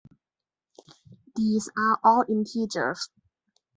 These are all integers.